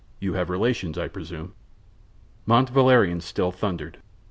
You have relations, I presume?" Mont Valerien still thundered.